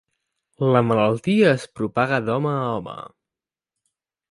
La malaltia es propaga d'home a home.